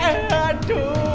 aduh berapa bener